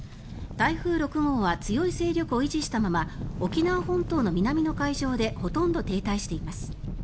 台風６号は強い勢力を維持したまま沖縄本島の南の海上でほとんど停滞しています。